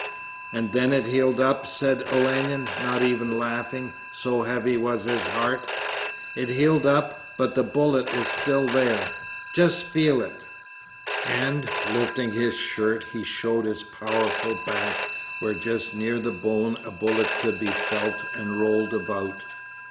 'And then it healed up?' said Olenin, not even laughing, so heavy was his heart. 'It healed up, but the bullet is still there. Just feel it!' And lifting his shirt he showed his powerful back, where just near the bone a bullet could be felt and rolled about.